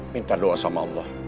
minta doa sama allah